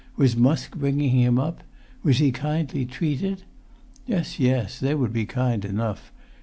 Was Musk bringing him up? Was he kindly treated? Yes, yes, they would be kind enough!